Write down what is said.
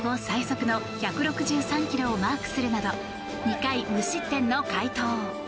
最速の１６３ｋｍをマークするなど２回無失点の快投。